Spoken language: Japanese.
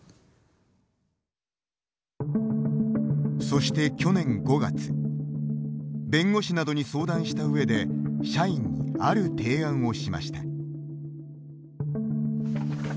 そして去年５月弁護士などに相談した上で社員にある提案をしました。